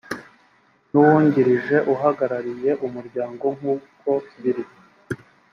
n uwungirije uhagarariye umuryango nk uko biri